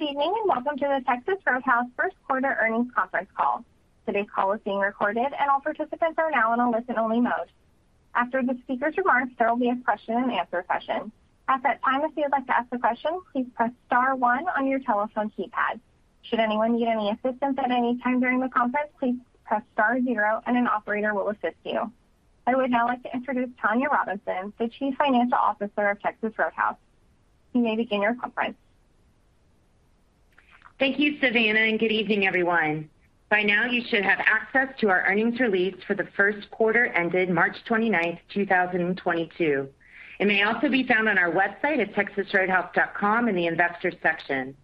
Good evening, and welcome to the Texas Roadhouse first quarter earnings conference call. Today's call is being recorded, and all participants are now in a listen-only mode. After the speaker's remarks, there will be a question-and-answer session. At that time, if you'd like to ask a question, please press star one on your telephone keypad. Should anyone need any assistance at any time during the conference, please press star zero and an operator will assist you. I would now like to introduce Tonya Robinson, the Chief Financial Officer of Texas Roadhouse. You may begin your conference. Thank you, Savannah, and good evening, everyone. By now, you should have access to our earnings release for the first quarter ended March 29, 2022. It may also be found on our website at texasroadhouse.com in the Investors section.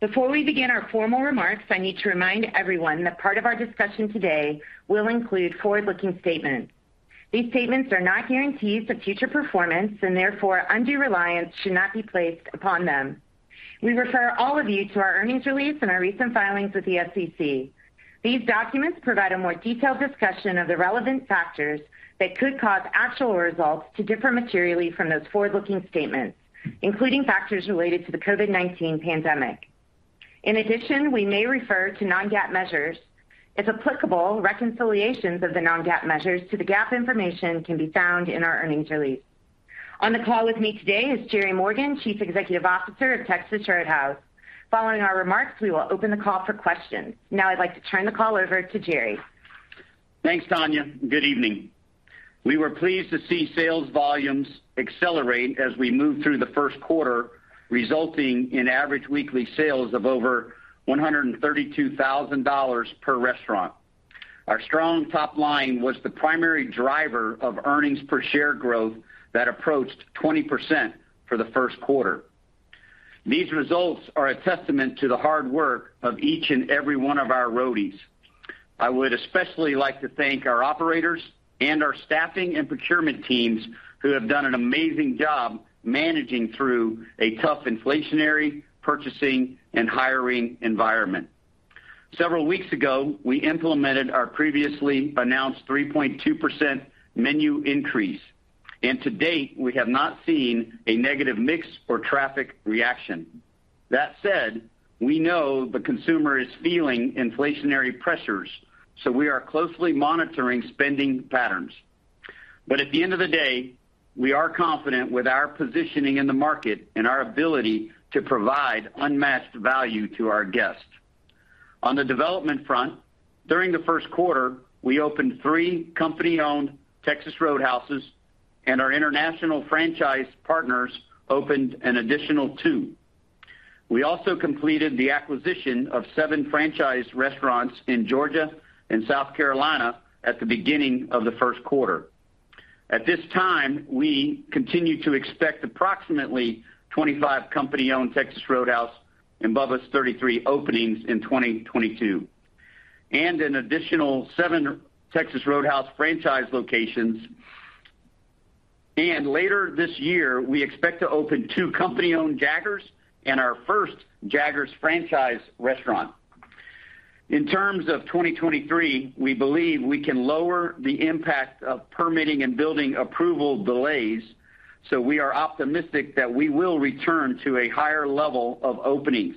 Before we begin our formal remarks, I need to remind everyone that part of our discussion today will include forward-looking statements. These statements are not guarantees of future performance and therefore undue reliance should not be placed upon them. We refer all of you to our earnings release and our recent filings with the SEC. These documents provide a more detailed discussion of the relevant factors that could cause actual results to differ materially from those forward-looking statements, including factors related to the COVID-19 pandemic. In addition, we may refer to non-GAAP measures. If applicable, reconciliations of the non-GAAP measures to the GAAP information can be found in our earnings release. On the call with me today is Jerry Morgan, Chief Executive Officer of Texas Roadhouse. Following our remarks, we will open the call for questions. Now I'd like to turn the call over to Jerry. Thanks, Tonya. Good evening. We were pleased to see sales volumes accelerate as we moved through the first quarter, resulting in average weekly sales of over $132,000 per restaurant. Our strong top line was the primary driver of earnings per share growth that approached 20% for the first quarter. These results are a testament to the hard work of each and every one of our roadies. I would especially like to thank our operators and our staffing and procurement teams who have done an amazing job managing through a tough inflationary purchasing and hiring environment. Several weeks ago, we implemented our previously announced 3.2% menu increase, and to date, we have not seen a negative mix or traffic reaction. That said, we know the consumer is feeling inflationary pressures, so we are closely monitoring spending patterns. At the end of the day, we are confident with our positioning in the market and our ability to provide unmatched value to our guests. On the development front, during the first quarter, we opened three company-owned Texas Roadhouse and our international franchise partners opened an additional two. We also completed the acquisition of seven franchise restaurants in Georgia and South Carolina at the beginning of the first quarter. At this time, we continue to expect approximately 25 company-owned Texas Roadhouse and Bubba's 33 openings in 2022, and an additional seven Texas Roadhouse franchise locations. Later this year, we expect to open two company-owned Jaggers and our first Jaggers franchise restaurant. In terms of 2023, we believe we can lower the impact of permitting and building approval delays, so we are optimistic that we will return to a higher level of openings.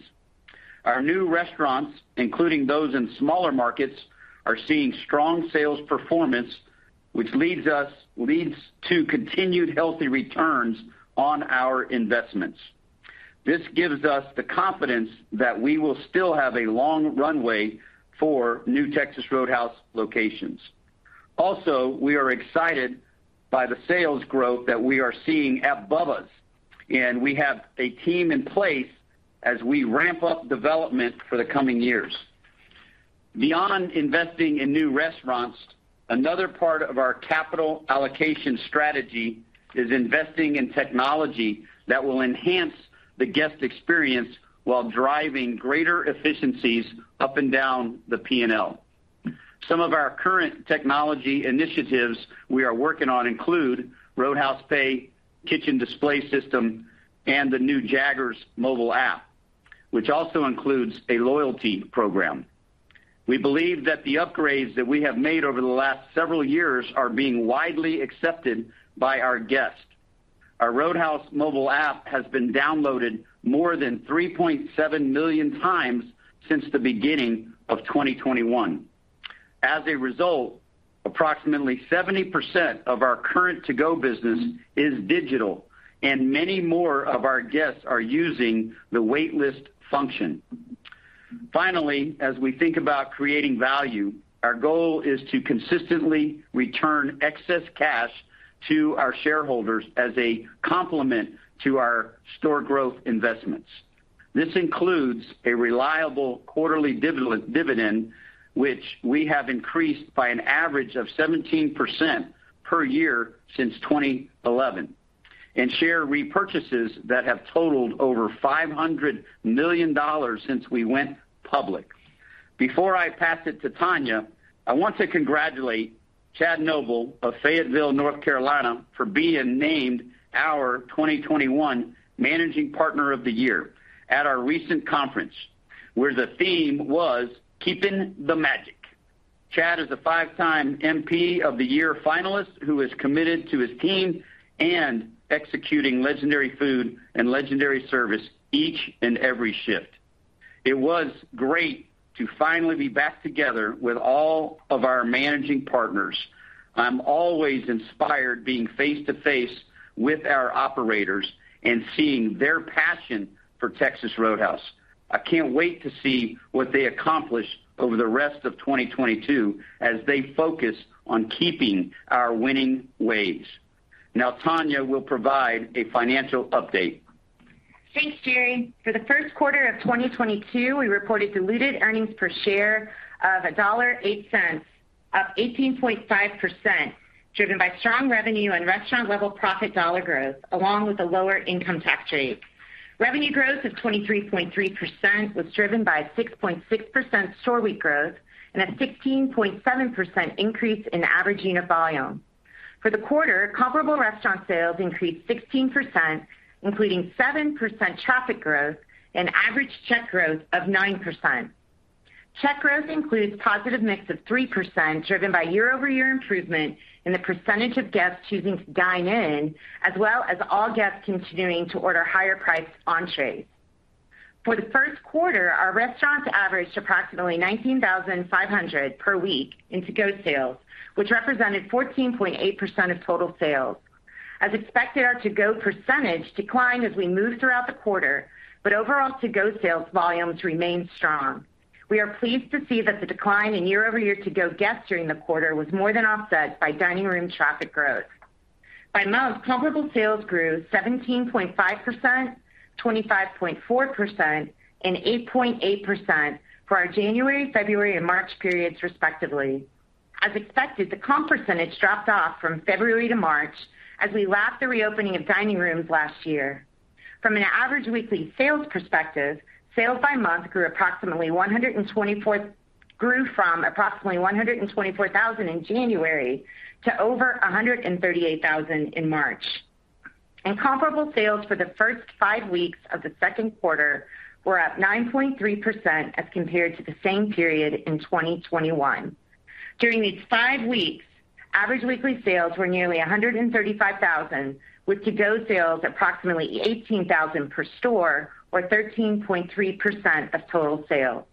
Our new restaurants, including those in smaller markets, are seeing strong sales performance, which leads to continued healthy returns on our investments. This gives us the confidence that we will still have a long runway for new Texas Roadhouse locations. Also, we are excited by the sales growth that we are seeing at Bubba's, and we have a team in place as we ramp up development for the coming years. Beyond investing in new restaurants, another part of our capital allocation strategy is investing in technology that will enhance the guest experience while driving greater efficiencies up and down the P&L. Some of our current technology initiatives we are working on include Roadhouse Pay, Kitchen Display System, and the new Jaggers mobile app, which also includes a loyalty program. We believe that the upgrades that we have made over the last several years are being widely accepted by our guests. Our Roadhouse mobile app has been downloaded more than 3.7 million times since the beginning of 2021. As a result, approximately 70% of our current to-go business is digital, and many more of our guests are using the wait-list function. Finally, as we think about creating value, our goal is to consistently return excess cash to our shareholders as a complement to our store growth investments. This includes a reliable quarterly dividend, which we have increased by an average of 17% per year since 2011, and share repurchases that have totaled over $500 million since we went public. Before I pass it to Tonya, I want to congratulate Chad Noble of Fayetteville, North Carolina, for being named our 2021 Managing Partner of the Year at our recent conference, where the theme was Keeping the Magic. Chad is a five-time MP of the Year finalist who is committed to his team and executing legendary food and legendary service each and every shift. It was great to finally be back together with all of our Managing Partners. I'm always inspired being face to face with our operators and seeing their passion for Texas Roadhouse. I can't wait to see what they accomplish over the rest of 2022 as they focus on keeping our winning ways. Now, Tonya will provide a financial update. Thanks, Jerry. For the first quarter of 2022, we reported diluted earnings per share of $1.08, up 18.5%, driven by strong revenue and restaurant level profit dollar growth along with a lower income tax rate. Revenue growth of 23.3% was driven by a 6.6% store week growth and a 16.7% increase in average unit volume. For the quarter, comparable restaurant sales increased 16%, including 7% traffic growth and average check growth of 9%. Check growth includes positive mix of 3%, driven by year-over-year improvement in the percentage of guests choosing to dine in, as well as all guests continuing to order higher priced entrees. For the first quarter, our restaurants averaged approximately 19,500 per week in to-go sales, which represented 14.8% of total sales. As expected, our to-go percentage declined as we moved throughout the quarter, but overall to-go sales volumes remained strong. We are pleased to see that the decline in year-over-year to-go guests during the quarter was more than offset by dining room traffic growth. By month, comparable sales grew 17.5%, 25.4%, and 8.8% for our January, February and March periods, respectively. As expected, the comp percentage dropped off from February to March as we lapped the reopening of dining rooms last year. From an average weekly sales perspective, sales by month grew from approximately $124,000 in January to over $138,000 in March. Comparable sales for the first five weeks of the second quarter were up 9.3% as compared to the same period in 2021. During these five weeks, average weekly sales were nearly $135,000, with to-go sales approximately $18,000 per store or 13.3% of total sales.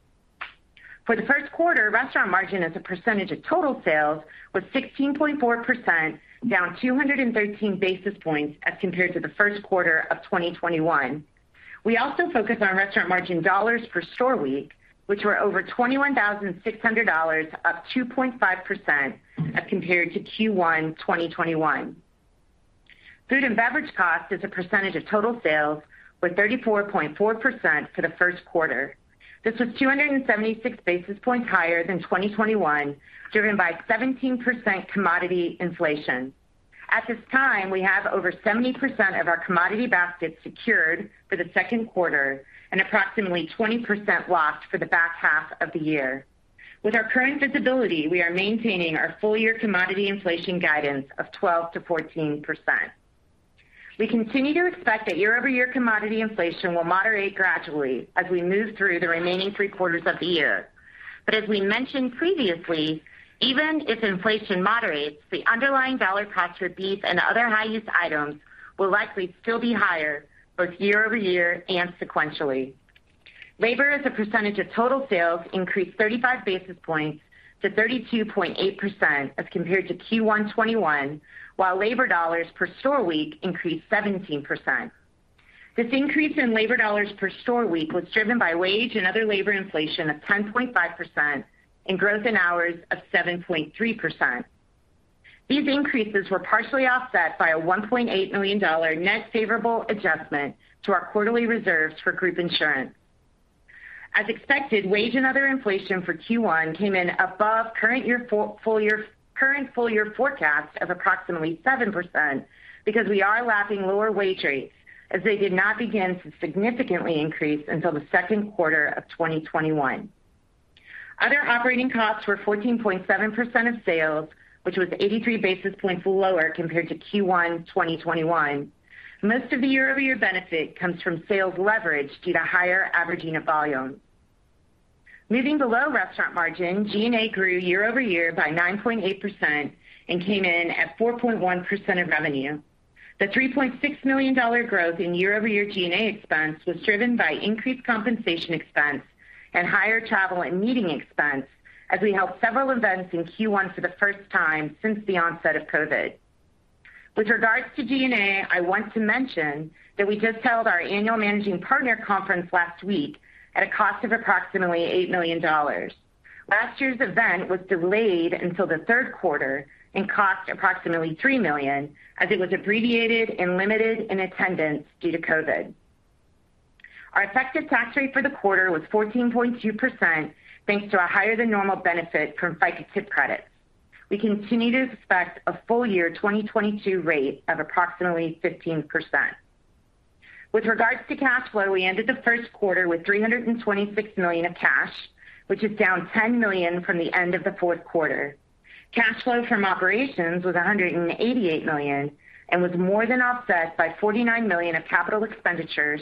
For the first quarter, restaurant margin as a percentage of total sales was 16.4%, down 213 basis points as compared to the first quarter of 2021. We also focus on restaurant margin dollars per store week, which were over $21,600, up 2.5% as compared to Q1 2021. Food and beverage cost as a percentage of total sales were 34.4% for the first quarter. This was 276 basis points higher than 2021, driven by 17% commodity inflation. At this time, we have over 70% of our commodity basket secured for the second quarter and approximately 20% locked for the back half of the year. With our current visibility, we are maintaining our full year commodity inflation guidance of 12%-14%. We continue to expect that year-over-year commodity inflation will moderate gradually as we move through the remaining three quarters of the year. As we mentioned previously, even if inflation moderates, the underlying dollar cost for beef and other high-use items will likely still be higher both year-over-year and sequentially. Labor as a percentage of total sales increased 35 basis points to 32.8% as compared to Q1 2021, while labor dollars per store week increased 17%. This increase in labor dollars per store week was driven by wage and other labor inflation of 10.5% and growth in hours of 7.3%. These increases were partially offset by a $1.8 million net favorable adjustment to our quarterly reserves for group insurance. As expected, wage and other inflation for Q1 came in above current full year forecast of approximately 7% because we are lapping lower wage rates as they did not begin to significantly increase until the second quarter of 2021. Other operating costs were 14.7% of sales, which was 83 basis points lower compared to Q1 2021. Most of the year-over-year benefit comes from sales leverage due to higher average unit volume. Moving below restaurant margin, G&A grew year-over-year by 9.8% and came in at 4.1% of revenue. The $3.6 million growth in year-over-year G&A expense was driven by increased compensation expense and higher travel and meeting expense as we held several events in Q1 for the first time since the onset of COVID. With regards to G&A, I want to mention that we just held our annual managing partner conference last week at a cost of approximately $8 million. Last year's event was delayed until the third quarter and cost approximately $3 million, as it was abbreviated and limited in attendance due to COVID. Our effective tax rate for the quarter was 14.2%, thanks to a higher than normal benefit from FICA tip credits. We continue to expect a full year 2022 rate of approximately 15%. With regards to cash flow, we ended the first quarter with $326 million of cash, which is down $10 million from the end of the fourth quarter. Cash flow from operations was $188 million and was more than offset by $49 million of capital expenditures,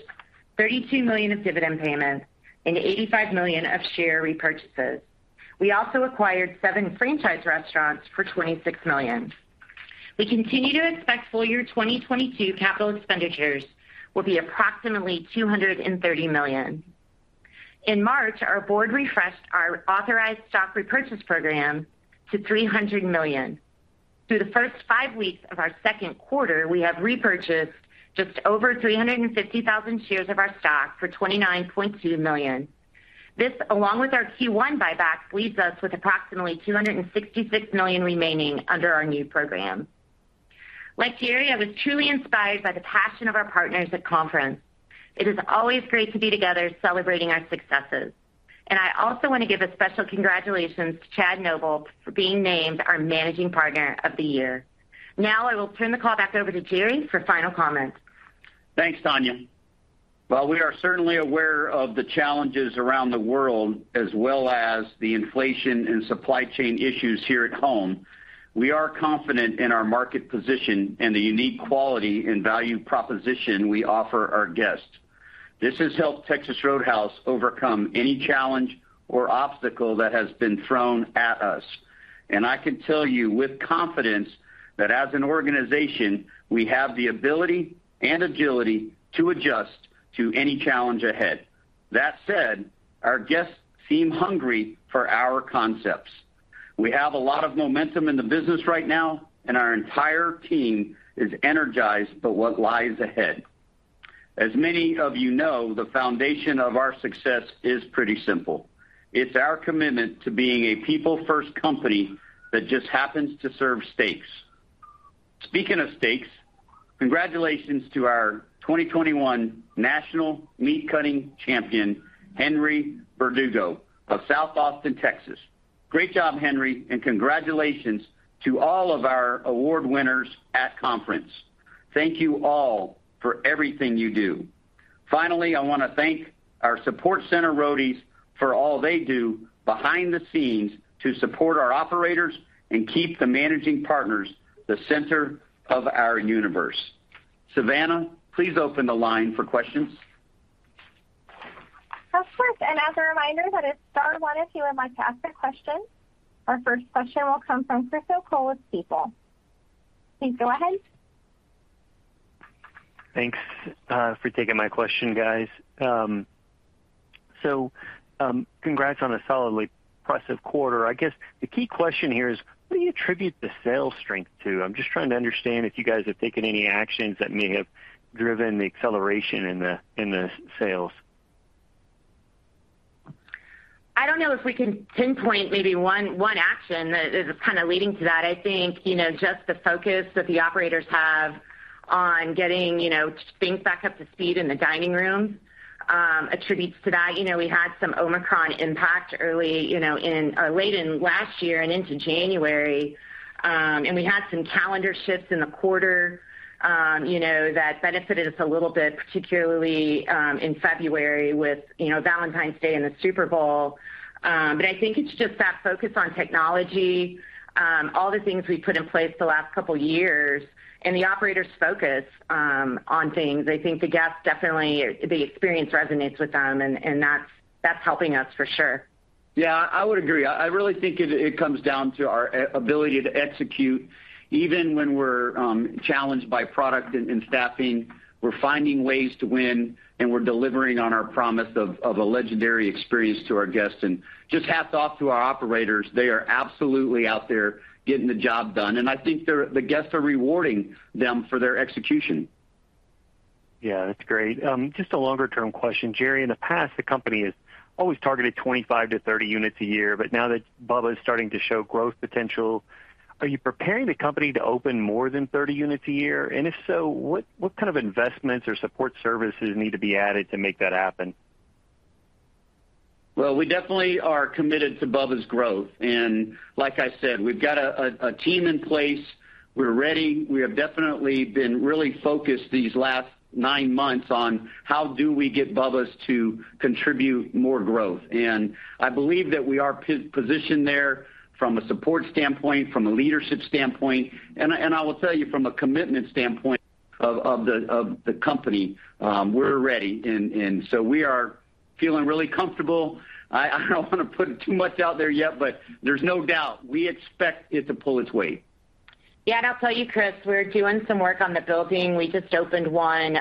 $32 million of dividend payments, and $85 million of share repurchases. We also acquired seven franchise restaurants for $26 million. We continue to expect full year 2022 capital expenditures will be approximately $230 million. In March, our board refreshed our authorized stock repurchase program to $300 million. Through the first five weeks of our second quarter, we have repurchased just over 350,000 shares of our stock for $29.2 million. This, along with our Q1 buyback, leaves us with approximately $266 million remaining under our new program. Like Jerry, I was truly inspired by the passion of our partners at conference. It is always great to be together celebrating our successes. I also want to give a special congratulations to Chad Noble for being named our Managing Partner of the Year. Now I will turn the call back over to Jerry for final comments. Thanks, Tonya. While we are certainly aware of the challenges around the world as well as the inflation and supply chain issues here at home, we are confident in our market position and the unique quality and value proposition we offer our guests. This has helped Texas Roadhouse overcome any challenge or obstacle that has been thrown at us, and I can tell you with confidence that as an organization, we have the ability and agility to adjust to any challenge ahead. That said, our guests seem hungry for our concepts. We have a lot of momentum in the business right now, and our entire team is energized for what lies ahead. As many of you know, the foundation of our success is pretty simple. It's our commitment to being a people-first company that just happens to serve steaks. Speaking of steaks, congratulations to our 2021 National Meat Cutting Champion, Henry Verdugo of South Austin, Texas. Great job, Henry, and congratulations to all of our award winners at conference. Thank you all for everything you do. Finally, I want to thank our Support Center Roadies for all they do behind the scenes to support our operators and keep the Managing Partners the center of our universe. Savannah, please open the line for questions. Of course. As a reminder, that is star one if you would like to ask a question. Our first question will come from Christopher O'Cull of Stifel. Please go ahead. Thanks for taking my question, guys. Congrats on a solidly impressive quarter. I guess the key question here is, what do you attribute the sales strength to? I'm just trying to understand if you guys have taken any actions that may have driven the acceleration in the sales. I don't know if we can pinpoint maybe one action that is kind of leading to that. I think, you know, just the focus that the operators have on getting, you know, things back up to speed in the dining room attributes to that. You know, we had some Omicron impact early or late in last year and into January. We had some calendar shifts in the quarter, you know, that benefited us a little bit, particularly in February with, you know, Valentine's Day and the Super Bowl. I think it's just that focus on technology, all the things we put in place the last couple years and the operators' focus on things. I think the guests definitely, the experience resonates with them, and that's helping us for sure. Yeah, I would agree. I really think it comes down to our ability to execute. Even when we're challenged by product and staffing, we're finding ways to win, and we're delivering on our promise of a legendary experience to our guests. Just hats off to our operators. They are absolutely out there getting the job done, and I think the guests are rewarding them for their execution. Yeah, that's great. Just a longer term question. Jerry, in the past, the company has always targeted 25-30 units a year. Now that Bubba's starting to show growth potential, are you preparing the company to open more than 30 units a year? And if so, what kind of investments or support services need to be added to make that happen? Well, we definitely are committed to Bubba's growth. Like I said, we've got a team in place. We're ready. We have definitely been really focused these last nine months on how do we get Bubba's to contribute more growth. I believe that we are positioned there from a support standpoint, from a leadership standpoint, and I will tell you from a commitment standpoint of the company. We're ready. We are feeling really comfortable. I don't want to put too much out there yet, but there's no doubt we expect it to pull its weight. Yeah. I'll tell you, Chris, we're doing some work on the building. We just opened one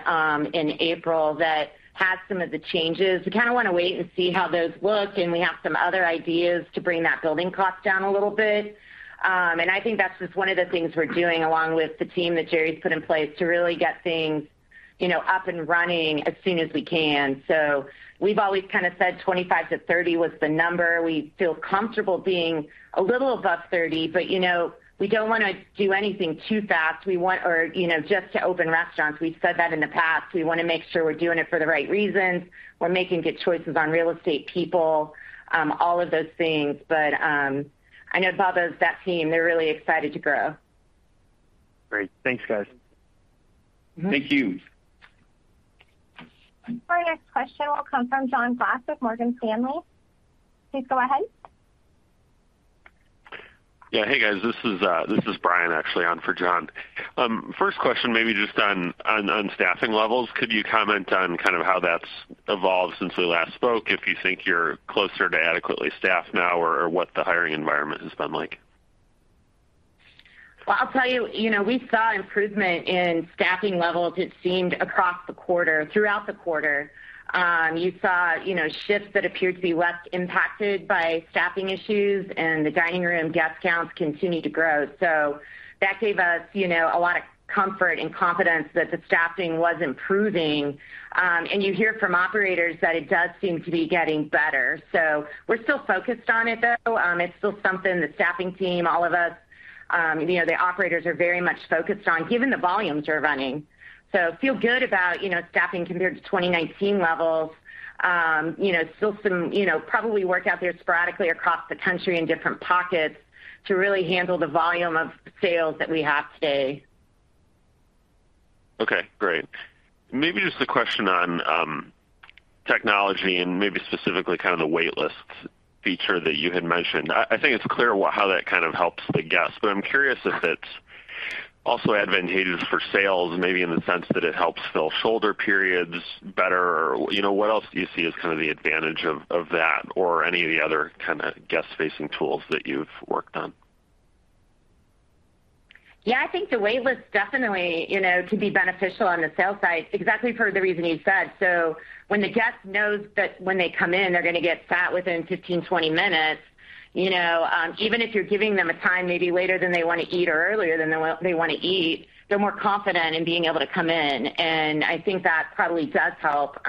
in April that has some of the changes. We kind of want to wait and see how those look, and we have some other ideas to bring that building cost down a little bit. I think that's just one of the things we're doing along with the team that Jerry's put in place to really get things, you know, up and running as soon as we can. We've always kind of said 25-30 was the number. We feel comfortable being a little above 30, but, you know, we don't want to do anything too fast. We want, you know, just to open restaurants. We've said that in the past. We want to make sure we're doing it for the right reasons. We're making good choices on real estate people, all of those things. I know Bubba's, that team, they're really excited to grow. Great. Thanks, guys. Thank you. Our next question will come from John Glass with Morgan Stanley. Please go ahead. Hey, guys, this is Brian actually on for John. First question maybe just on staffing levels. Could you comment on kind of how that's evolved since we last spoke, if you think you're closer to adequately staffed now or what the hiring environment has been like? Well, I'll tell you know, we saw improvement in staffing levels, it seemed across the quarter, throughout the quarter. You saw, you know, shifts that appeared to be less impacted by staffing issues and the dining room guest counts continued to grow. That gave us, you know, a lot of comfort and confidence that the staffing was improving. You hear from operators that it does seem to be getting better. We're still focused on it, though. It's still something the staffing team, all of us, you know, the operators are very much focused on, given the volumes we're running. Feel good about, you know, staffing compared to 2019 levels. You know, still some, you know, probably work out there sporadically across the country in different pockets to really handle the volume of sales that we have today. Okay, great. Maybe just a question on technology and maybe specifically kind of the wait list feature that you had mentioned. I think it's clear how that kind of helps the guest, but I'm curious if it's also advantageous for sales maybe in the sense that it helps fill shoulder periods better or what else do you see as kind of the advantage of that or any of the other kinda guest facing tools that you've worked on? Yeah, I think the wait list definitely, you know, can be beneficial on the sales side exactly for the reason you said. When the guest knows that when they come in they're gonna get sat within 15 minutes-20 minutes, you know, even if you're giving them a time maybe later than they wanna eat or earlier than they wanna eat, they're more confident in being able to come in, and I think that probably does help.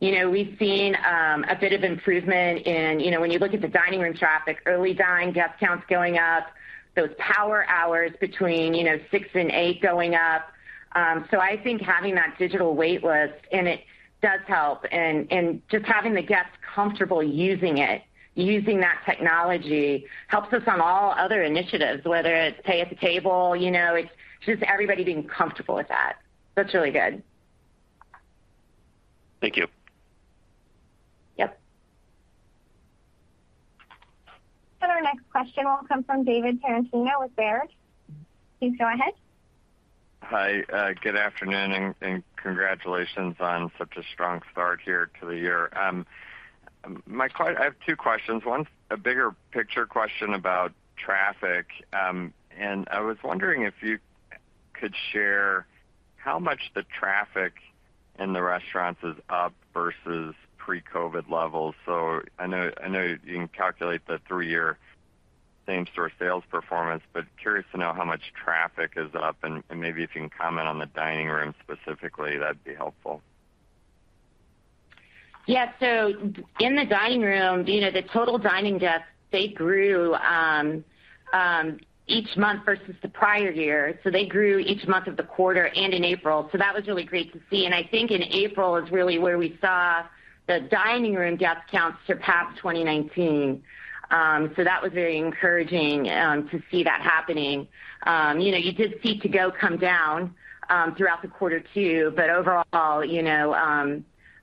You know, we've seen a bit of improvement in, you know, when you look at the dining room traffic, early dine guest counts going up, those power hours between, you know, 6:00 P.M. and 8:00 P.M. going up. I think having that digital wait list, and it does help. Just having the guests comfortable using it, using that technology helps us on all other initiatives, whether it's pay at the table, you know, it's just everybody being comfortable with that. It's really good. Thank you. Yep. Our next question will come from David Tarantino with Baird. Please go ahead. Hi, good afternoon and congratulations on such a strong start here to the year. I have two questions. One, a bigger picture question about traffic. I was wondering if you could share how much the traffic in the restaurants is up versus pre-COVID levels. I know you can calculate the three-year same store sales performance, but curious to know how much traffic is up. Maybe if you can comment on the dining room specifically, that'd be helpful. Yeah. In the dining room, you know, the total dining guests, they grew each month versus the prior year. They grew each month of the quarter and in April. That was really great to see. I think in April is really where we saw the dining room guest counts surpass 2019. That was very encouraging to see that happening. You know, you did see to-go come down throughout the quarter too, but overall, you know,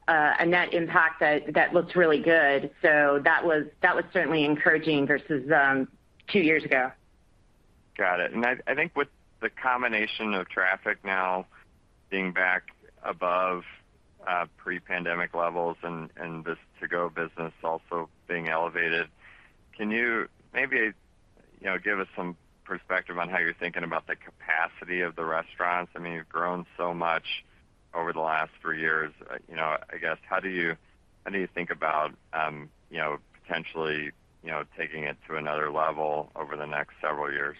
a net impact that looked really good. That was certainly encouraging versus two years ago. Got it. I think with the combination of traffic now being back above pre-pandemic levels and this to-go business also being elevated, can you maybe, you know, give us some perspective on how you're thinking about the capacity of the restaurants? I mean, you've grown so much over the last three years. You know, I guess, how do you think about, you know, potentially, you know, taking it to another level over the next several years?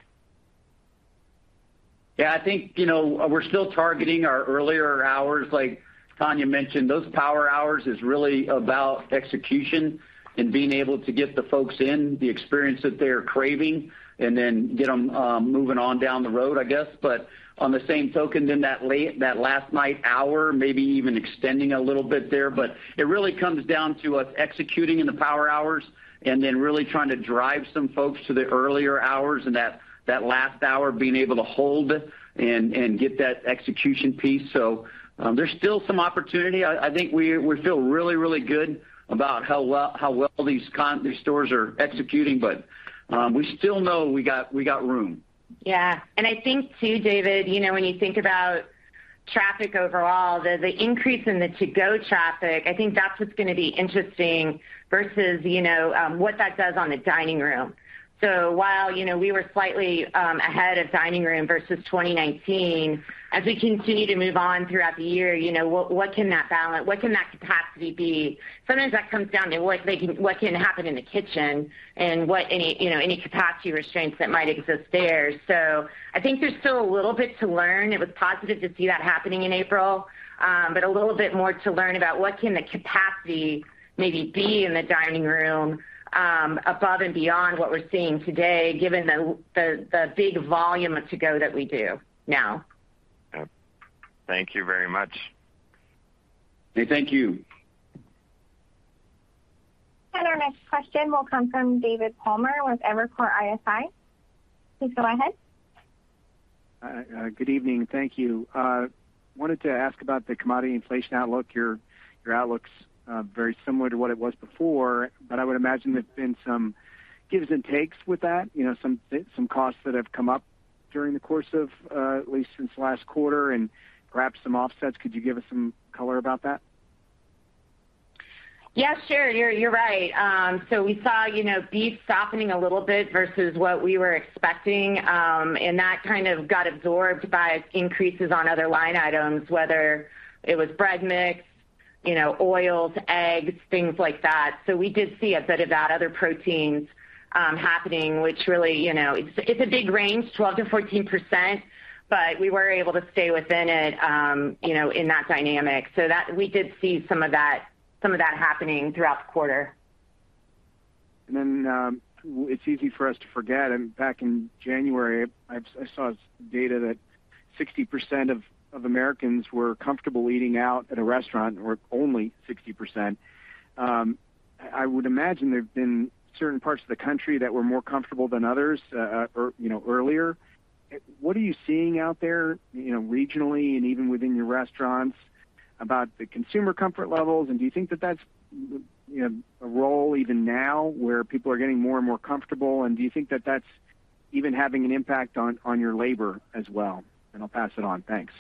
Yeah, I think, you know, we're still targeting our earlier hours. Like Tonya mentioned, those power hours is really about execution and being able to get the folks in the experience that they are craving and then get them moving on down the road, I guess. On the same token, that late last night hour, maybe even extending a little bit there. It really comes down to us executing in the power hours and then really trying to drive some folks to the earlier hours and that last hour being able to hold and get that execution piece. There's still some opportunity. I think we feel really good about how well these stores are executing, but we still know we got room. Yeah. I think too, David, you know, when you think about traffic overall, the increase in the to-go traffic, I think that's what's gonna be interesting versus, you know, what that does on the dining room. While, you know, we were slightly ahead of dining room versus 2019, as we continue to move on throughout the year, you know, what can that balance, what can that capacity be? Sometimes that comes down to what, like, what can happen in the kitchen and what any, you know, any capacity restraints that might exist there. I think there's still a little bit to learn. It was positive to see that happening in April, but a little bit more to learn about what can the capacity maybe be in the dining room, above and beyond what we're seeing today, given the big volume of to-go that we do now. Yep. Thank you very much. Hey, thank you. Question will come from David Palmer with Evercore ISI. Please go ahead. Good evening. Thank you. Wanted to ask about the commodity inflation outlook. Your outlook's very similar to what it was before, but I would imagine there's been some gives and takes with that, you know, some costs that have come up during the course of at least since last quarter and perhaps some offsets. Could you give us some color about that? Yeah, sure. You're right. We saw, you know, beef softening a little bit versus what we were expecting. That kind of got absorbed by increases on other line items, whether it was bread mix, you know, oils, eggs, things like that. We did see a bit of that other proteins happening, which really, you know, it's a big range, 12%-14%, but we were able to stay within it, you know, in that dynamic. We did see some of that happening throughout the quarter. It's easy for us to forget, and back in January I saw data that 60% of Americans were comfortable eating out at a restaurant, or only 60%. I would imagine there have been certain parts of the country that were more comfortable than others, you know, earlier. What are you seeing out there, you know, regionally and even within your restaurants about the consumer comfort levels? Do you think that that's you know, a role even now where people are getting more and more comfortable? Do you think that that's even having an impact on your labor as well? I'll pass it on. Thanks.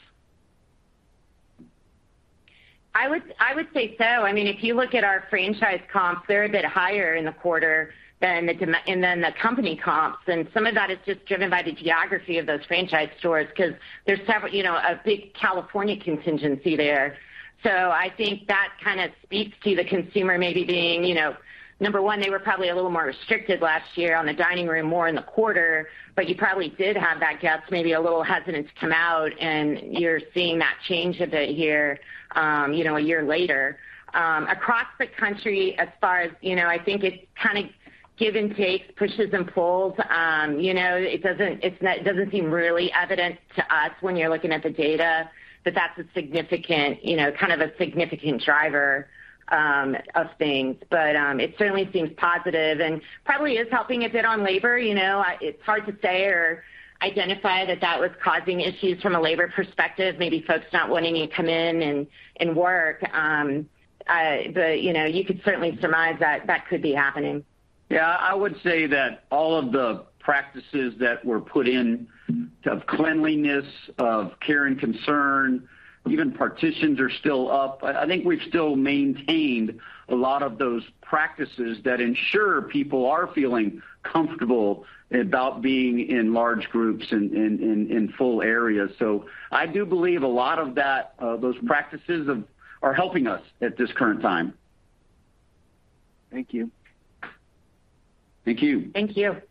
I would say so. I mean, if you look at our franchise comps, they're a bit higher in the quarter than the company comps. Some of that is just driven by the geography of those franchise stores because there's a big California contingent there. I think that kind of speaks to the consumer maybe being, you know, number one, they were probably a little more restricted last year on the dining room, more in the quarter. You probably did have that guest maybe a little hesitant to come out, and you're seeing that change a bit here, you know, a year later. Across the country, as far as, you know, I think it's kind of give and take, pushes and pulls. You know, it doesn't seem really evident to us when you're looking at the data that that's a significant, you know, kind of a significant driver of things. It certainly seems positive and probably is helping a bit on labor. You know, it's hard to say or identify that that was causing issues from a labor perspective, maybe folks not wanting to come in and work. You know, you could certainly surmise that that could be happening. Yeah. I would say that all of the practices that were put in of cleanliness, of care and concern, even partitions are still up. I think we've still maintained a lot of those practices that ensure people are feeling comfortable about being in large groups in full areas. I do believe a lot of that, those practices are helping us at this current time. Thank you. Thank you. Thank you.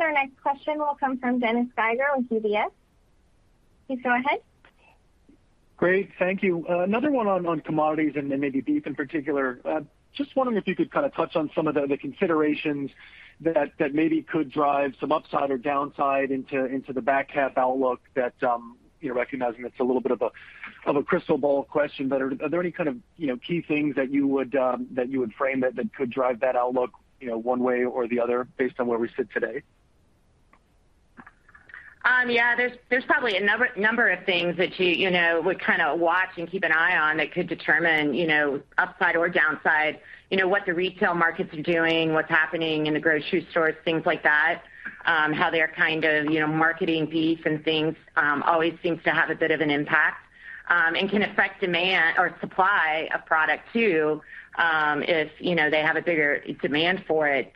Our next question will come from Dennis Geiger with UBS. Please go ahead. Great. Thank you. Another one on commodities and then maybe beef in particular. Just wondering if you could kind of touch on some of the considerations that maybe could drive some upside or downside into the back half outlook that you know, recognizing it's a little bit of a crystal ball question. Are there any kind of you know, key things that you would frame that could drive that outlook you know, one way or the other based on where we sit today? Yeah, there's probably a number of things that you know would kind of watch and keep an eye on that could determine you know upside or downside. You know, what the retail markets are doing, what's happening in the grocery stores, things like that. How they're kind of you know marketing beef and things always seems to have a bit of an impact and can affect demand or supply of product too if you know they have a bigger demand for it.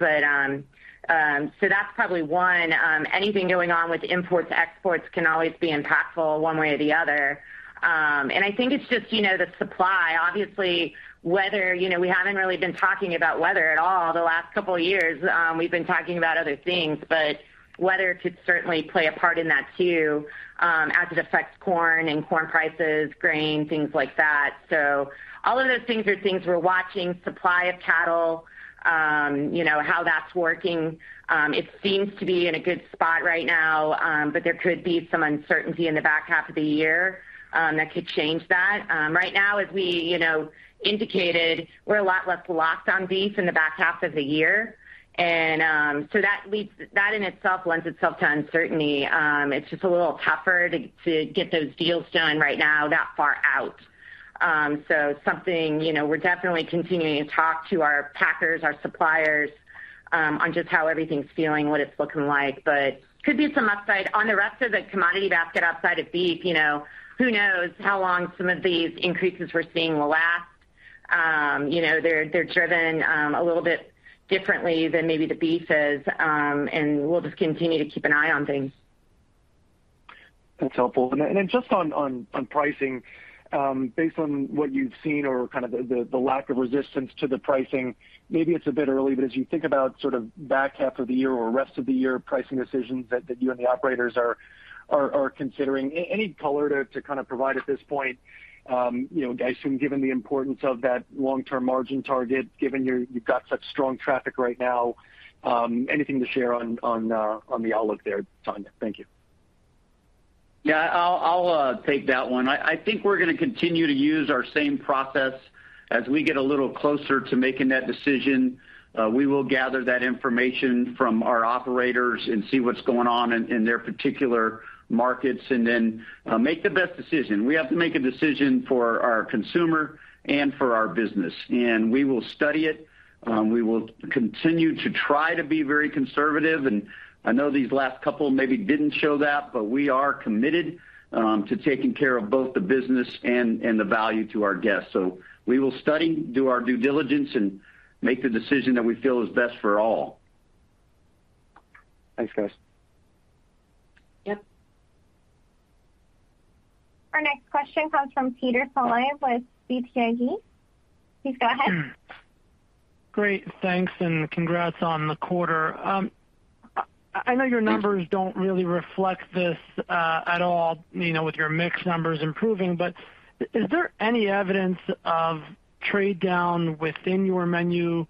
That's probably one. Anything going on with imports, exports can always be impactful one way or the other. I think it's just you know the supply. Obviously, weather you know we haven't really been talking about weather at all the last couple years. We've been talking about other things, but weather could certainly play a part in that too, as it affects corn and corn prices, grain, things like that. All of those things are things we're watching. Supply of cattle, you know, how that's working. It seems to be in a good spot right now, but there could be some uncertainty in the back half of the year that could change that. Right now, as we, you know, indicated, we're a lot less locked on beef in the back half of the year. That in itself lends itself to uncertainty. It's just a little tougher to get those deals done right now that far out. Something, you know, we're definitely continuing to talk to our packers, our suppliers, on just how everything's feeling, what it's looking like. Could be some upside. On the rest of the commodity basket outside of beef, you know, who knows how long some of these increases we're seeing will last. You know, they're driven a little bit differently than maybe the beef is. We'll just continue to keep an eye on things. That's helpful. Then just on pricing, based on what you've seen or kind of the lack of resistance to the pricing, maybe it's a bit early, but as you think about sort of back half of the year or rest of the year pricing decisions that you and the operators are considering, any color to kind of provide at this point? You know, I assume given the importance of that long-term margin target, given you've got such strong traffic right now, anything to share on the outlook there, Tonya? Thank you. Yeah, I'll take that one. I think we're gonna continue to use our same process. As we get a little closer to making that decision, we will gather that information from our operators and see what's going on in their particular markets and then make the best decision. We have to make a decision for our consumer and for our business. We will study it, we will continue to try to be very conservative, and I know these last couple maybe didn't show that, but we are committed to taking care of both the business and the value to our guests. We will study, do our due diligence, and make the decision that we feel is best for all. Thanks, guys. Yep. Our next question comes from Peter Saleh with BTIG. Please go ahead. Great. Thanks and congrats on the quarter. I know your numbers don't really reflect this at all, you know, with your mix numbers improving, but is there any evidence of trade down within your menu,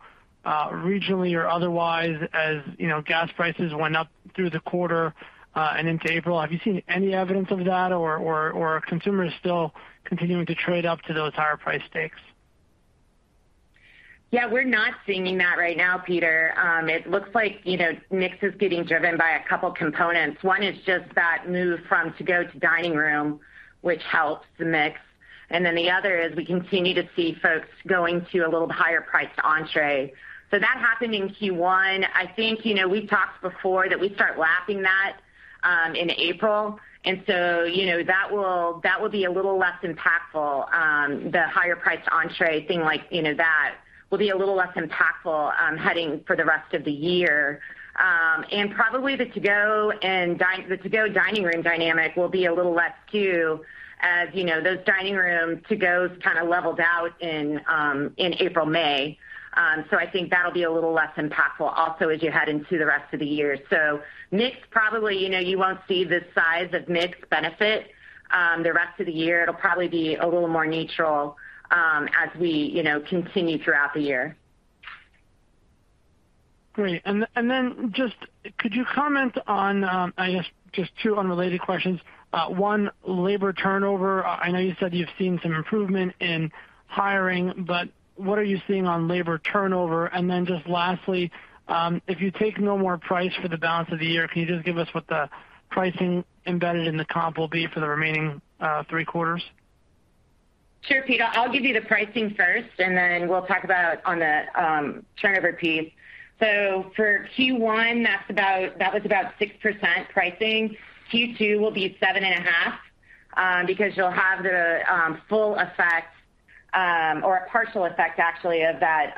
regionally or otherwise as, you know, gas prices went up through the quarter and into April? Have you seen any evidence of that or are consumers still continuing to trade up to those higher price steaks? Yeah, we're not seeing that right now, Peter. It looks like, you know, mix is getting driven by a couple components. One is just that move from to-go to dining room, which helps the mix. The other is we continue to see folks going to a little higher priced entree. That happened in Q1. I think, you know, we've talked before that we start lapping that in April. You know, that will be a little less impactful. The higher priced entree thing like, you know, that will be a little less impactful heading for the rest of the year. Probably the to-go dining room dynamic will be a little less too. You know, those dining room to-gos kinda leveled out in April-May. I think that'll be a little less impactful also as you head into the rest of the year. Mix probably, you know, you won't see the size of mix benefit, the rest of the year. It'll probably be a little more neutral, as we, you know, continue throughout the year. Great. Just could you comment on, I guess, just two unrelated questions. One, labor turnover. I know you said you've seen some improvement in hiring, but what are you seeing on labor turnover? Just lastly, if you take no more pricing for the balance of the year, can you just give us what the pricing embedded in the comp will be for the remaining three quarters? Sure, Peter. I'll give you the pricing first, and then we'll talk about on the turnover piece. For Q1, that's about—that was about 6% pricing. Q2 will be 7.5%, because you'll have the full effect or a partial effect actually of that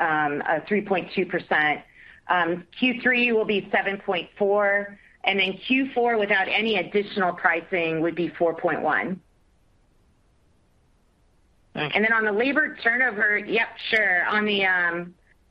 3.2%. Q3 will be 7.4%, and then Q4, without any additional pricing, would be 4.1%. Okay. On the labor turnover. Yep, sure. On the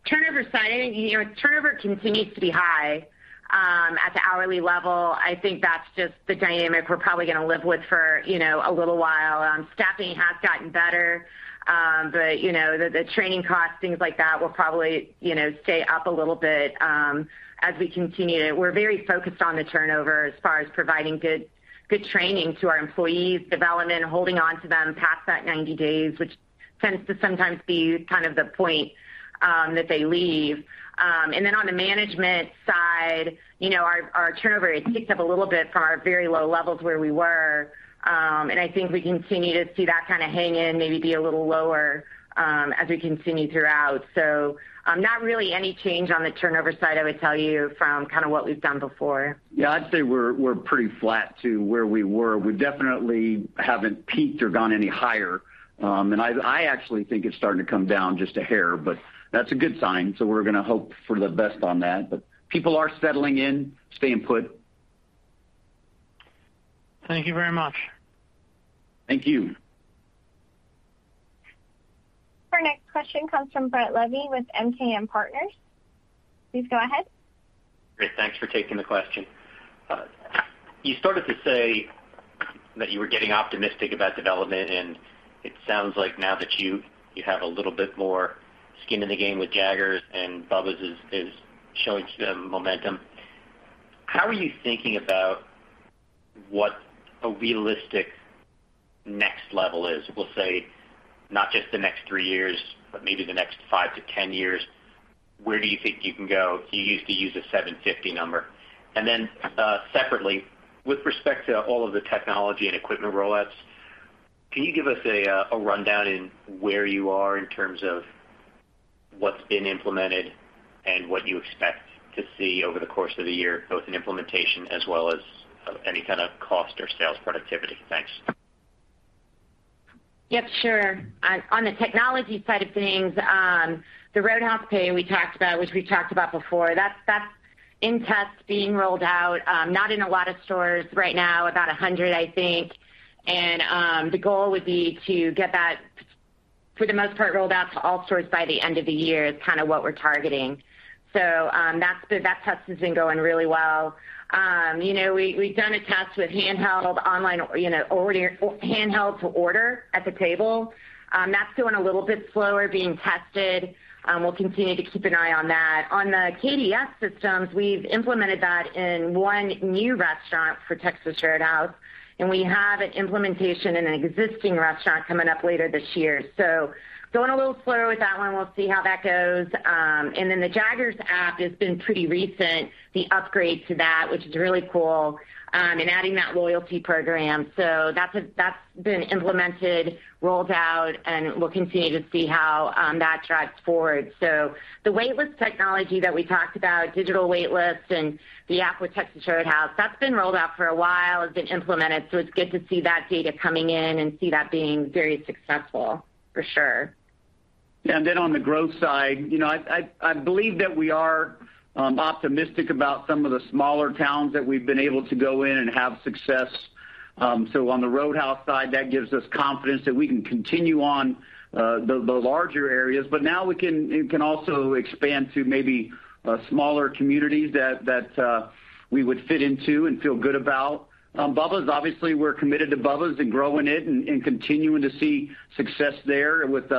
turnover side, you know, turnover continues to be high at the hourly level. I think that's just the dynamic we're probably gonna live with for, you know, a little while. Staffing has gotten better, but, you know, the training costs, things like that will probably, you know, stay up a little bit as we continue. We're very focused on the turnover as far as providing good training to our employees, development, holding onto them past that 90 days, which tends to sometimes be kind of the point that they leave. On the management side, you know, our turnover it ticks up a little bit from our very low levels where we were. I think we continue to see that kinda hang in, maybe be a little lower, as we continue throughout. Not really any change on the turnover side I would tell you from kinda what we've done before. Yeah. I'd say we're pretty flat to where we were. We definitely haven't peaked or gone any higher. I actually think it's starting to come down just a hair, but that's a good sign, so we're gonna hope for the best on that. People are settling in, staying put. Thank you very much. Thank you. Our next question comes from Brett Levy with MKM Partners. Please go ahead. Great. Thanks for taking the question. You started to say that you were getting optimistic about development, and it sounds like now that you have a little bit more skin in the game with Jaggers and Bubba's 33 is showing some momentum. How are you thinking about what a realistic next level is? We'll say not just the next three years, but maybe the next five-10 years. Where do you think you can go? You used to use a 750 number. Separately, with respect to all of the technology and equipment roll-outs, can you give us a rundown on where you are in terms of what's been implemented and what you expect to see over the course of the year, both in implementation as well as any kind of cost or sales productivity? Thanks. Yep, sure. On the technology side of things, the Roadhouse Pay we talked about, which we talked about before, that's in test being rolled out. Not in a lot of stores right now, about 100, I think. The goal would be to get that, for the most part, rolled out to all stores by the end of the year is kind of what we're targeting. That test has been going really well. You know, we've done a test with handheld to order at the table. That's going a little bit slower being tested. We'll continue to keep an eye on that. On the KDS systems, we've implemented that in one new restaurant for Texas Roadhouse, and we have an implementation in an existing restaurant coming up later this year. Going a little slower with that one. We'll see how that goes. The Jaggers app has been pretty recent, the upgrade to that, which is really cool, and adding that loyalty program. That's been implemented, rolled out, and we'll continue to see how that tracks forward. The wait list technology that we talked about, digital wait lists and the app with Texas Roadhouse, that's been rolled out for a while. It's been implemented. It's good to see that data coming in and see that being very successful for sure. Yeah. On the growth side, you know, I believe that we are optimistic about some of the smaller towns that we've been able to go in and have success. On the Roadhouse side, that gives us confidence that we can continue on the larger areas, but now it can also expand to maybe smaller communities that we would fit into and feel good about. Bubba's, obviously, we're committed to Bubba's and growing it and continuing to see success there with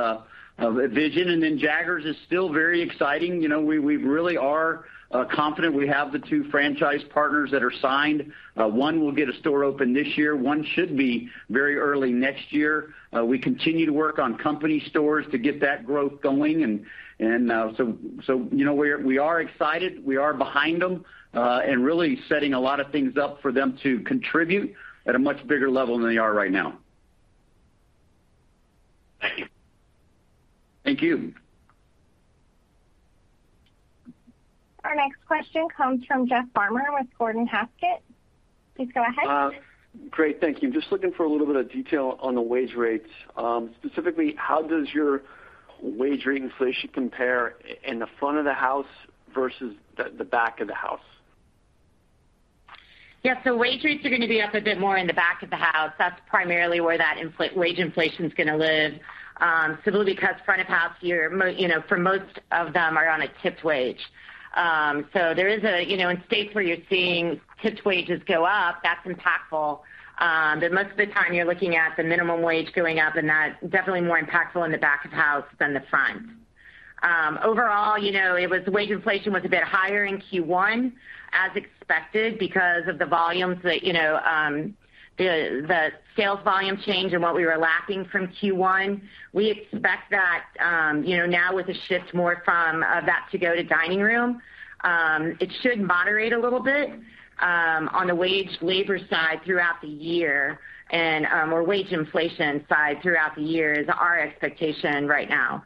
vision. Jaggers is still very exciting. You know, we really are confident. We have the two franchise partners that are signed. One will get a store open this year. One should be very early next year. We continue to work on company stores to get that growth going. You know, we are excited. We are behind them and really setting a lot of things up for them to contribute at a much bigger level than they are right now. Thank you. Thank you. Our next question comes from Jeff Farmer with Gordon Haskett. Please go ahead. Great. Thank you. Just looking for a little bit of detail on the wage rates. Specifically, how does your wage rate inflation compare in the front of the house versus the back of the house? Yes. Wage rates are going to be up a bit more in the back of the house. That's primarily where that wage inflation is going to live. Simply because front of house here you know, for most of them are on a tipped wage. There is a, you know, in states where you're seeing tipped wages go up, that's impactful. But most of the time you're looking at the minimum wage going up, and that's definitely more impactful in the back of house than the front. Overall, you know, wage inflation was a bit higher in Q1 as expected because of the volumes that, you know, the sales volume change and what we were lacking from Q1. We expect that, you know, now with a shift more from that to-go to dining room, it should moderate a little bit on the wage labor side throughout the year and, or wage inflation side throughout the year is our expectation right now.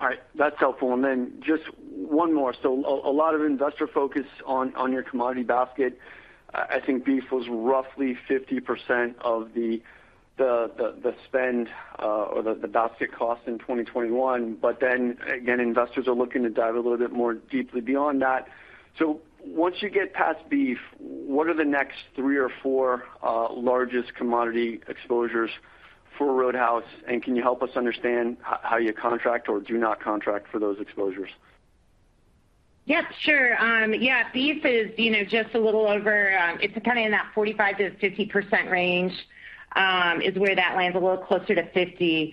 All right. That's helpful. Just one more. A lot of investor focus on your commodity basket. I think beef was roughly 50% of the spend or the basket cost in 2021. Then again, investors are looking to dive a little bit more deeply beyond that. Once you get past beef, what are the next three or four largest commodity exposures for Roadhouse? Can you help us understand how you contract or do not contract for those exposures? Yes, sure. Yeah, beef is, you know, just a little over, it's kind of in that 45%-50% range, is where that lands a little closer to 50%.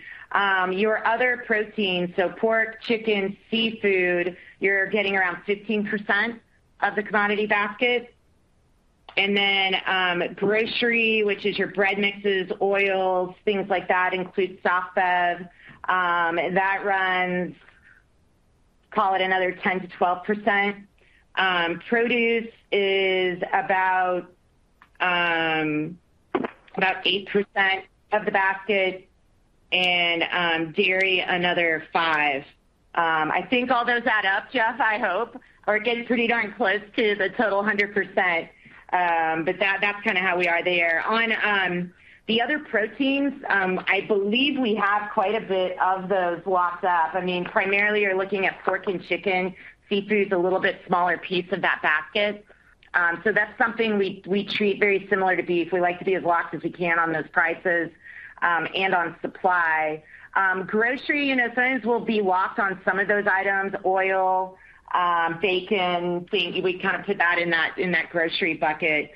Your other proteins, so pork, chicken, seafood, you're getting around 15% of the commodity basket. Grocery, which is your bread mixes, oils, things like that, includes soft bev, that runs, call it another 10%-12%. Produce is about 8% of the basket and, dairy another 5%. I think all those add up, Jeff, I hope, or getting pretty darn close to the total 100%. That, that's kind of how we are there. On the other proteins, I believe we have quite a bit of those locked up. I mean, primarily you're looking at pork and chicken. Seafood is a little bit smaller piece of that basket. That's something we treat very similar to beef. We like to be as locked as we can on those prices, and on supply. Grocery, you know, sometimes we'll be locked on some of those items, oil, bacon. We kind of put that in that grocery bucket.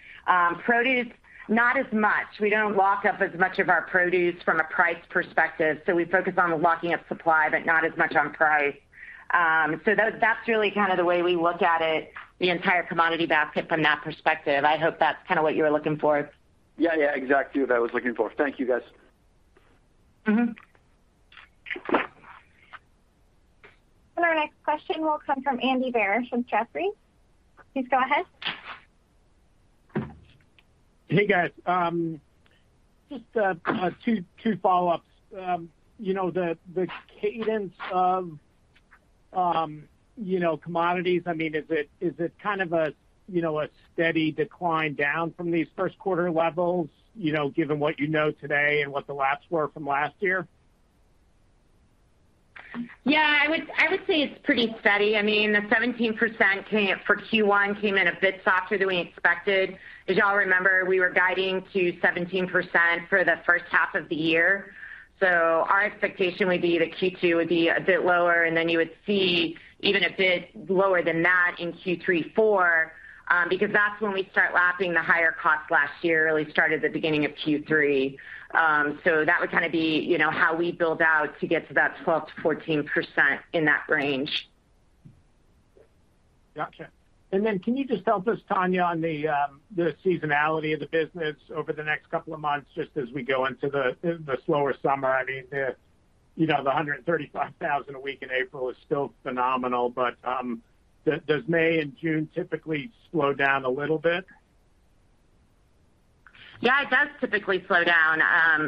Produce, not as much. We don't lock up as much of our produce from a price perspective, so we focus on the locking up supply, but not as much on price. That, that's really kind of the way we look at it, the entire commodity basket from that perspective. I hope that's kind of what you were looking for. Yeah, yeah, exactly what I was looking for. Thank you, guys. Mm-hmm. Our next question will come from Andy Barish with Jefferies. Please go ahead. Hey, guys. Just two follow-ups. You know, the cadence of commodities, I mean, is it kind of a you know, a steady decline down from these first quarter levels, you know, given what you know today and what the lapped were from last year? Yeah, I would say it's pretty steady. I mean, the 17% for Q1 came in a bit softer than we expected. As you all remember, we were guiding to 17% for the first half of the year. Our expectation would be that Q2 would be a bit lower, and then you would see even a bit lower than that in Q3, Q4, because that's when we start lapping the higher costs last year that really started at the beginning of Q3. That would kind of be, you know, how we build out to get to that 12%-14% in that range. Got you. Can you just help us, Tonya, on the seasonality of the business over the next couple of months, just as we go into the slower summer? I mean, you know, the $135,000 a week in April is still phenomenal, but does May and June typically slow down a little bit? Yeah, it does typically slow down,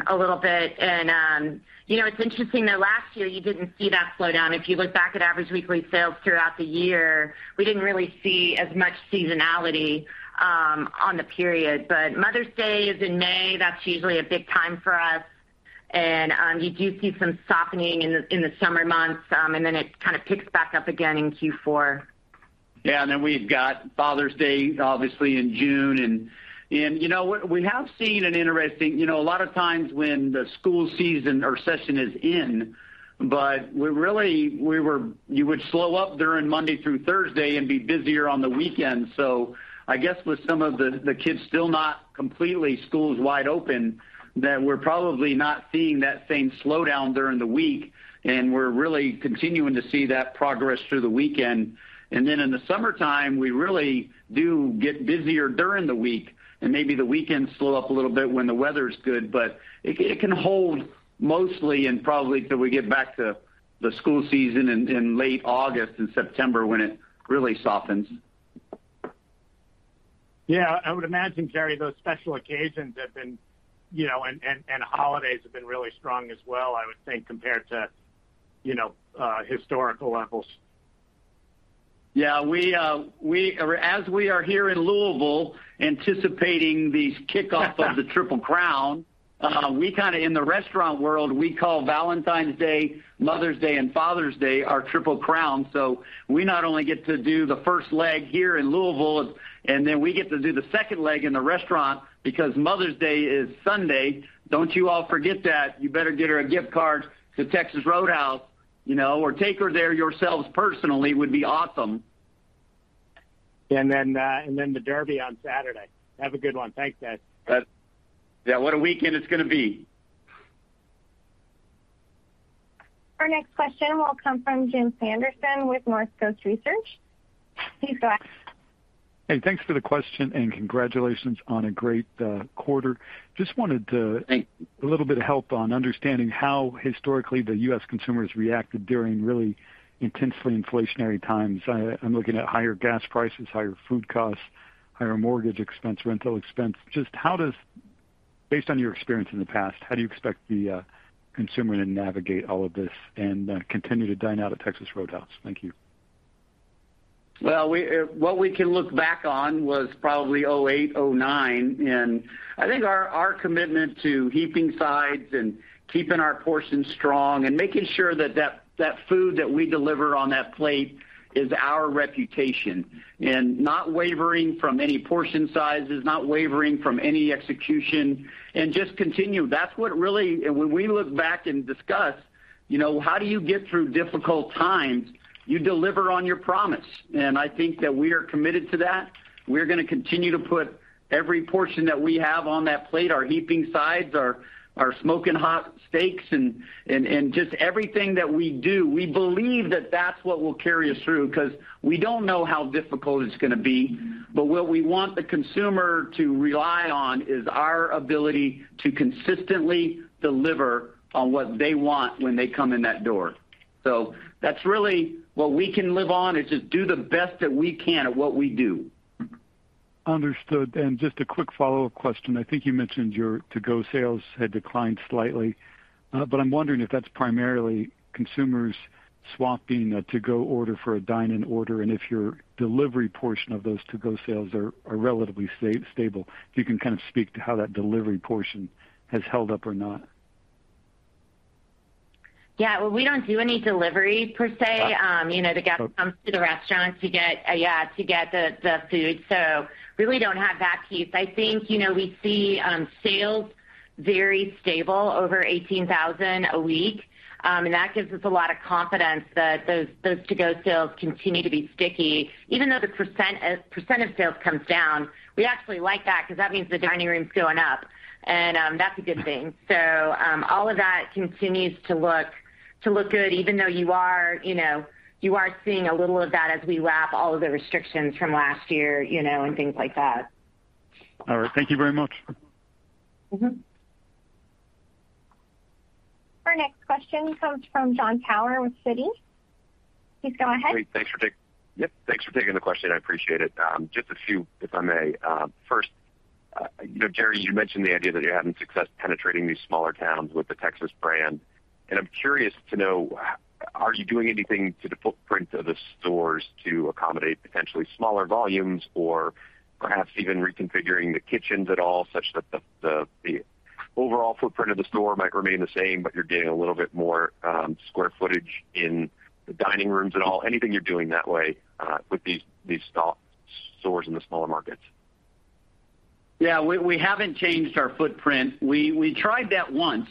a little bit. You know, it's interesting, though, last year you didn't see that slowdown. If you look back at average weekly sales throughout the year, we didn't really see as much seasonality, on the period. Mother's Day is in May. That's usually a big time for us. You do see some softening in the summer months. It kind of picks back up again in Q4. Yeah. We've got Father's Day, obviously in June. You know what? We have seen an interesting. You know, a lot of times when the school season or session is in, but you would slow up during Monday through Thursday and be busier on the weekend. I guess with some of the kids still not completely schools wide open, that we're probably not seeing that same slowdown during the week, and we're really continuing to see that progress through the weekend. In the summertime, we really do get busier during the week, and maybe the weekends slow up a little bit when the weather's good. It can hold mostly and probably till we get back to the school season in late August and September when it really softens. Yeah. I would imagine, Jerry, those special occasions have been, you know, and holidays have been really strong as well, I would think, compared to, you know, historical levels. Yeah. We are here in Louisville anticipating the kickoff of the Triple Crown. In the restaurant world, we call Valentine's Day, Mother's Day, and Father's Day our Triple Crown. We not only get to do the first leg here in Louisville, and then we get to do the second leg in the restaurant because Mother's Day is Sunday. Don't you all forget that. You better get her a gift card to Texas Roadhouse, you know, or take her there yourselves personally would be awesome. The Derby on Saturday. Have a good one. Thanks, guys. Yeah. What a weekend it's gonna be. Our next question will come from Jim Sanderson with Northcoast Research. Please go ahead. Hey, thanks for the question and congratulations on a great quarter. Just wanted to. Thanks. A little bit of help on understanding how historically the U.S. consumers reacted during really intensely inflationary times. I'm looking at higher gas prices, higher food costs, higher mortgage expense, rental expense. Based on your experience in the past, how do you expect the consumer to navigate all of this and continue to dine out at Texas Roadhouse? Thank you. What we can look back on was probably 2008-2009. I think our commitment to heaping sides and keeping our portions strong and making sure that food that we deliver on that plate is our reputation. Not wavering from any portion sizes, not wavering from any execution, and just continue. That's what really when we look back and discuss, you know, how do you get through difficult times? You deliver on your promise. I think that we are committed to that. We're gonna continue to put every portion that we have on that plate, our heaping sides, our smoking hot steaks and just everything that we do. We believe that that's what will carry us through because we don't know how difficult it's gonna be. What we want the consumer to rely on is our ability to consistently deliver on what they want when they come in that door. That's really what we can live on, is just do the best that we can at what we do. Understood. Just a quick follow-up question. I think you mentioned your to-go sales had declined slightly, but I'm wondering if that's primarily consumers swapping a to-go order for a dine-in order, and if your delivery portion of those to-go sales are relatively stable. If you can kind of speak to how that delivery portion has held up or not. Yeah. Well, we don't do any delivery per se. Ah. You know, the guest comes to the restaurant to get the food. Really don't have that piece. I think, you know, we see sales very stable over $18,000 a week, and that gives us a lot of confidence that those to-go sales continue to be sticky. Even though the % of sales comes down, we actually like that because that means the dining room's going up, and that's a good thing. All of that continues to look good, even though you know, you are seeing a little of that as we lap all of the restrictions from last year, you know, and things like that. All right. Thank you very much. Mm-hmm. Our next question comes from Jon Tower with Citi. Please go ahead. Great. Thanks for taking the question. I appreciate it. Just a few if I may. First, you know, Jerry, you mentioned the idea that you're having success penetrating these smaller towns with the Texas brand. I'm curious to know, are you doing anything to the footprint of the stores to accommodate potentially smaller volumes or perhaps even reconfiguring the kitchens at all such that the overall footprint of the store might remain the same, but you're getting a little bit more square footage in the dining rooms at all. Anything you're doing that way with these stores in the smaller markets? Yeah. We haven't changed our footprint. We tried that once,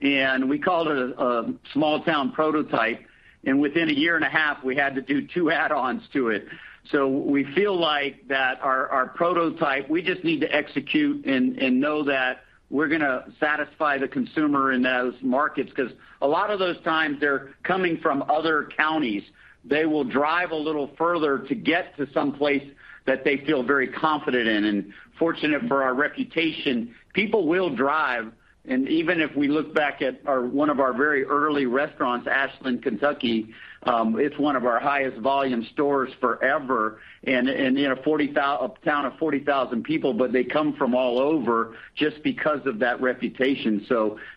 and we called it a small town prototype, and within a year and a half, we had to do two add-ons to it. We feel like our prototype, we just need to execute and know that we're gonna satisfy the consumer in those markets because a lot of those times they're coming from other counties. They will drive a little further to get to some place that they feel very confident in. Fortunate for our reputation, people will drive, and even if we look back at one of our very early restaurants, Ashland, Kentucky, it's one of our highest volume stores forever and in a town of 40,000 people, but they come from all over just because of that reputation.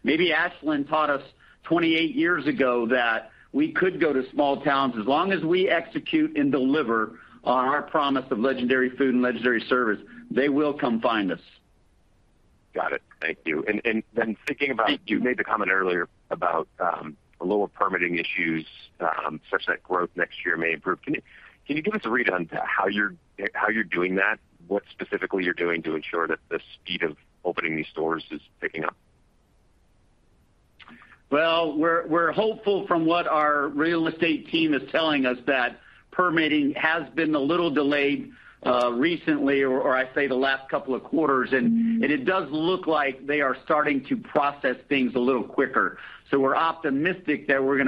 Maybe Ashland taught us 28 years ago that we could go to small towns. As long as we execute and deliver on our promise of legendary food and legendary service, they will come find us. Got it. Thank you. Thinking about you made the comment earlier about a little permitting issues such that growth next year may improve. Can you give us a read on how you're doing that? What specifically you're doing to ensure that the speed of opening these stores is picking up? We're hopeful from what our real estate team is telling us that permitting has been a little delayed recently or I say the last couple of quarters. It does look like they are starting to process things a little quicker. We're optimistic that we're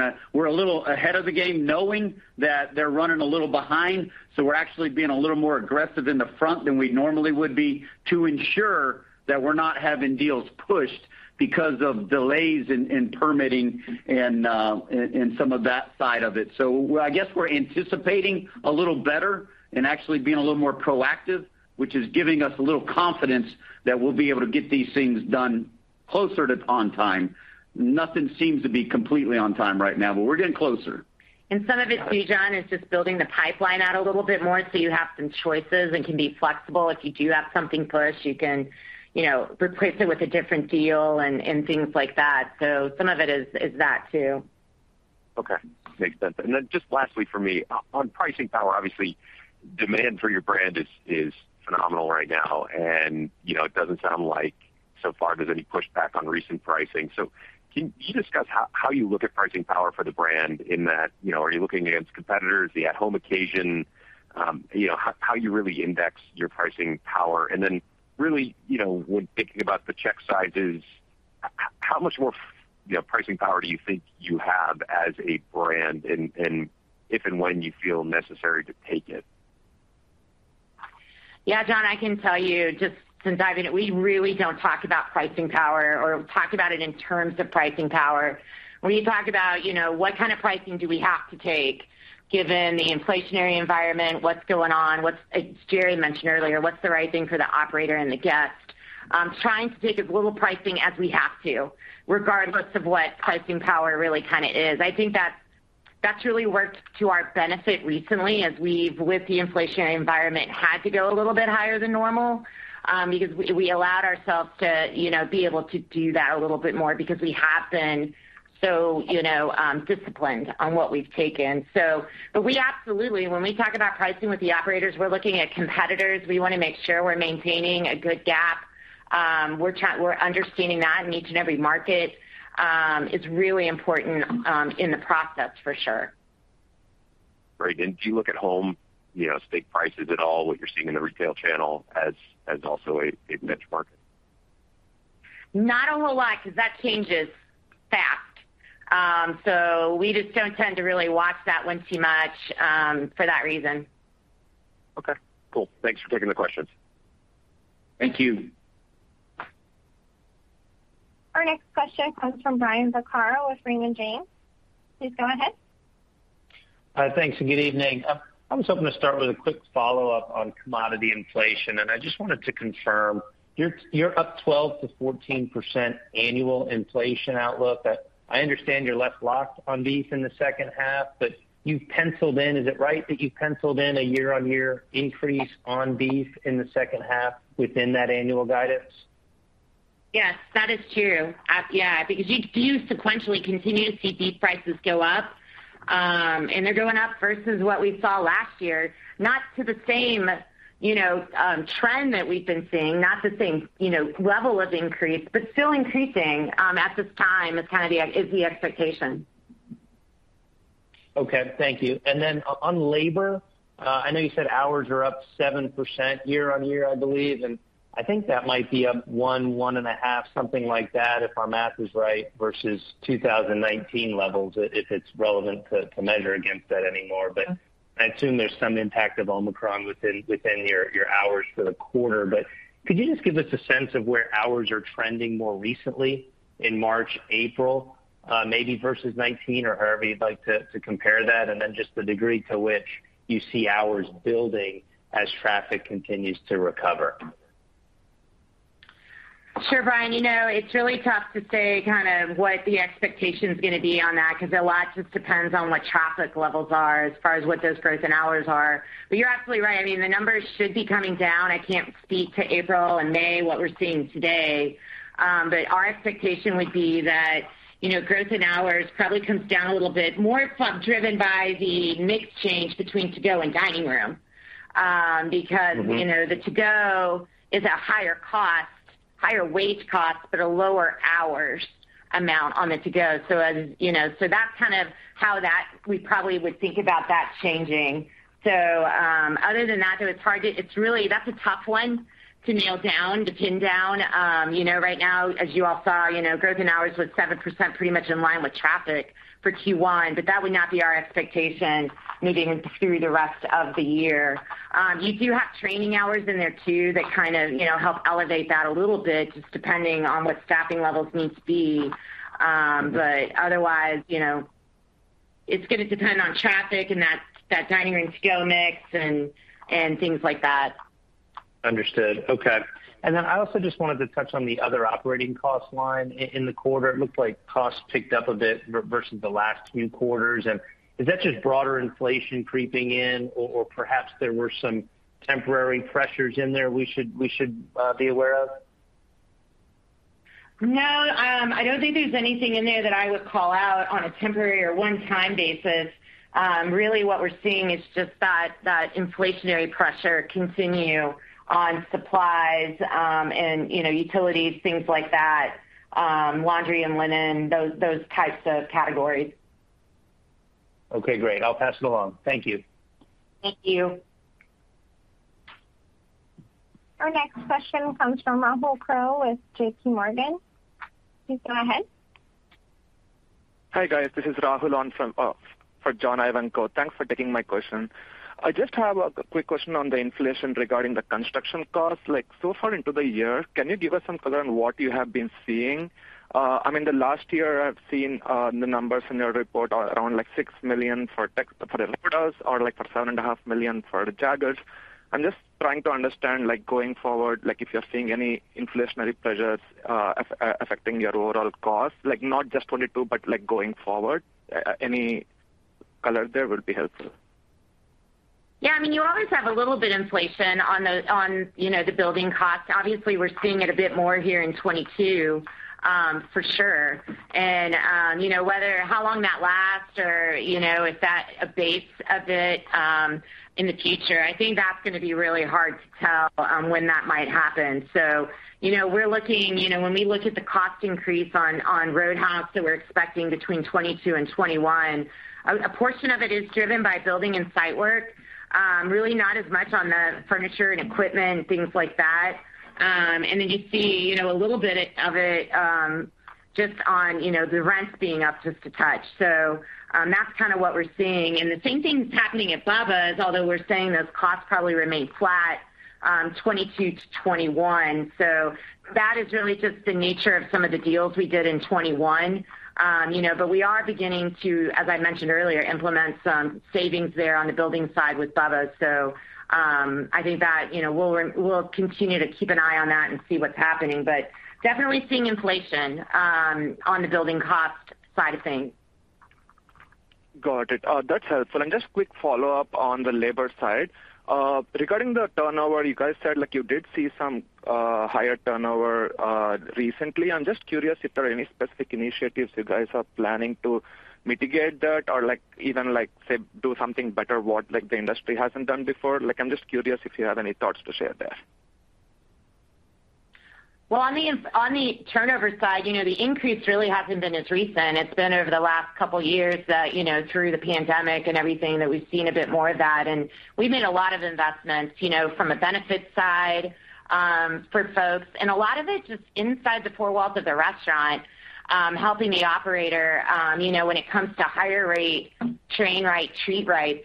a little ahead of the game knowing that they're running a little behind. We're actually being a little more aggressive in the front than we normally would be to ensure that we're not having deals pushed because of delays in permitting and some of that side of it. I guess we're anticipating a little better and actually being a little more proactive, which is giving us a little confidence that we'll be able to get these things done closer to on time. Nothing seems to be completely on time right now, but we're getting closer. Some of it too, Jon, is just building the pipeline out a little bit more so you have some choices and can be flexible. If you do have something pushed, you can, you know, replace it with a different deal and things like that. Some of it is that too. Okay. Makes sense. Just lastly for me, on pricing power, obviously, demand for your brand is phenomenal right now. You know, it doesn't sound like so far there's any pushback on recent pricing. Can you discuss how you look at pricing power for the brand in that, you know, are you looking against competitors, the at-home occasion, you know, how you really index your pricing power? Really, you know, when thinking about the check sizes, how much more, you know, pricing power do you think you have as a brand and if and when you feel necessary to take it? Yeah, Jon, I can tell you. We really don't talk about pricing power or talk about it in terms of pricing power. We talk about, you know, what kind of pricing do we have to take given the inflationary environment, what's going on. As Jerry mentioned earlier, what's the right thing for the operator and the guest? Trying to take as little pricing as we have to, regardless of what pricing power really kinda is. I think that's really worked to our benefit recently as we've with the inflationary environment had to go a little bit higher than normal, because we allowed ourselves to, you know, be able to do that a little bit more because we have been so, you know, disciplined on what we've taken. When we talk about pricing with the operators, we're looking at competitors. We wanna make sure we're maintaining a good gap. We're understanding that in each and every market is really important in the process for sure. Right. Do you look at home, you know, steak prices at all, what you're seeing in the retail channel as also a benchmark? Not a whole lot because that changes fast. We just don't tend to really watch that one too much, for that reason. Okay. Cool. Thanks for taking the questions. Thank you. Our next question comes from Brian Vaccaro with Raymond James. Please go ahead. Thanks and good evening. I was hoping to start with a quick follow-up on commodity inflation, and I just wanted to confirm. You're up 12%-14% annual inflation outlook. I understand you're less locked on beef in the second half, but you've penciled in. Is it right that you've penciled in a year-on-year increase on beef in the second half within that annual guidance? Yes. That is true. Yeah, because you do sequentially continue to see beef prices go up, and they're going up versus what we saw last year. Not to the same, you know, trend that we've been seeing, not the same, you know, level of increase, but still increasing, at this time is the expectation. Okay. Thank you. Then on labor, I know you said hours are up 7% year-over-year, I believe. I think that might be up 1 hour-1.5 hour, something like that if our math is right, versus 2019 levels, if it's relevant to measure against that anymore. I assume there's some impact of Omicron within your hours for the quarter. Could you just give us a sense of where hours are trending more recently in March, April, maybe versus 2019 or however you'd like to compare that? Just the degree to which you see hours building as traffic continues to recover. Sure, Brian. You know, it's really tough to say kind of what the expectation is gonna be on that because a lot just depends on what traffic levels are as far as what those growth in hours are. You're absolutely right. I mean, the numbers should be coming down. I can't speak to April and May, what we're seeing today. Our expectation would be that, you know, growth in hours probably comes down a little bit more driven by the mix change between to-go and dining room. Mm-hmm. You know, the to-go is a higher cost, higher wage cost, but a lower hours amount on the to-go. You know, so that's kind of how that we probably would think about that changing. Other than that, though, that's a tough one to nail down, to pin down. You know, right now, as you all saw, growth in hours was 7%, pretty much in line with traffic for Q1. That would not be our expectation maybe through the rest of the year. You do have training hours in there, too, that kind of, you know, help elevate that a little bit just depending on what staffing levels need to be. Otherwise, you know, it's gonna depend on traffic and that dining room sales mix and things like that. Understood. Okay. I also just wanted to touch on the other operating cost line in the quarter. It looked like costs ticked up a bit versus the last few quarters. Is that just broader inflation creeping in or perhaps there were some temporary pressures in there we should be aware of? No. I don't think there's anything in there that I would call out on a temporary or one-time basis. Really what we're seeing is just that inflationary pressure continue on supplies, and, you know, utilities, things like that, laundry and linen, those types of categories. Okay, great. I'll pass it along. Thank you. Thank you. Our next question comes from Rahul Krotthapalli with JPMorgan. Please go ahead. Hi, guys. This is Rahul from JPMorgan. Thanks for taking my question. I just have a quick question on the inflation regarding the construction costs. Like, so far into the year, can you give us some color on what you have been seeing? I mean, the last year I've seen, the numbers in your report are around, like, $6 million for Texas Roadhouse or, like, $7.5 million for the Jaggers. I'm just trying to understand, like, going forward, like, if you're seeing any inflationary pressures affecting your overall cost, like, not just 2022, but, like, going forward. Any color there would be helpful. I mean, you always have a little bit inflation on the building costs. Obviously, we're seeing it a bit more here in 2022, for sure. You know, whether how long that lasts or, you know, is that a base of it in the future, I think that's gonna be really hard to tell when that might happen. You know, we're looking, you know, when we look at the cost increase on Roadhouse that we're expecting between 2022 and 2021, a portion of it is driven by building and site work. Really not as much on the furniture and equipment, things like that. And then you see, you know, a little bit of it just on, you know, the rents being up just a touch. That's kinda what we're seeing. The same thing's happening at Bubba's, although we're saying those costs probably remain flat, 2022 to 2021. That is really just the nature of some of the deals we did in 2021. You know, but we are beginning to, as I mentioned earlier, implement some savings there on the building side with Bubba's. I think that, you know, we'll continue to keep an eye on that and see what's happening, but definitely seeing inflation on the building cost side of things. Got it. That's helpful. Just quick follow-up on the labor side. Regarding the turnover, you guys said, like, you did see some higher turnover recently. I'm just curious if there are any specific initiatives you guys are planning to mitigate that or, like, even, like, say, do something better what, like, the industry hasn't done before. Like, I'm just curious if you have any thoughts to share there. Well, on the turnover side, you know, the increase really hasn't been as recent. It's been over the last couple years that, you know, through the pandemic and everything that we've seen a bit more of that. We've made a lot of investments, you know, from a benefit side, for folks, and a lot of it just inside the four walls of the restaurant, helping the operator, you know, when it comes to Hire Right, Train Right, Treat Right.